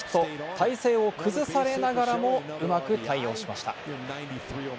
体勢を崩されながらもうまく対応しました。